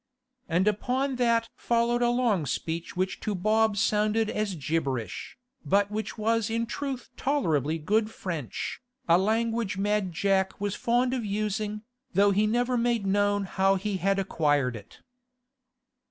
And upon that followed a long speech which to Bob sounded as gibberish, but which was in truth tolerably good French, a language Mad Jack was fond of using, though he never made known how he had acquired it.